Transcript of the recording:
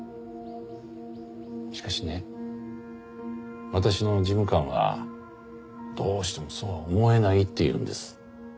しかしね私の事務官はどうしてもそうは思えないって言うんです。